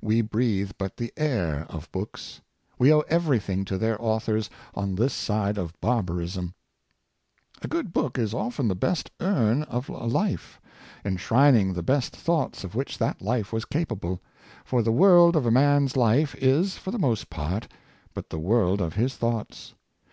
We breathe but the air of books. We owe everything to their authors, on this side barbarism." A good book is often the best urn of a life, enshrining the best thoughts of which that life was capable; for the world of a man's life is, for the most part, but the world of his thoughts.